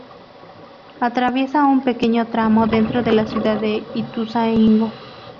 Atraviesa un pequeño tramo dentro de la ciudad de Ituzaingó.